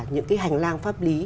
những cái hành lang pháp lý